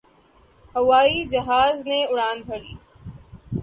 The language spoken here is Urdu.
ہوائی جہاز نے اڑان بھری